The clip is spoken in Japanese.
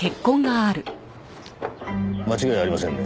間違いありませんね。